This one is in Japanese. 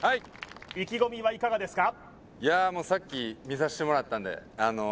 意気込みはいかがですか？